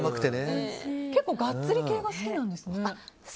結構ガッツリ系が好きなんですね。